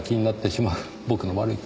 僕の悪い癖。